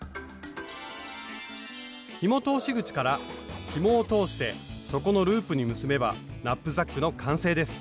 ひも通し口からひもを通して底のループに結べばナップザックの完成です。